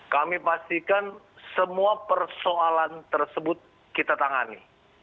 kami pastikan semua persoalan tersebut kita tangani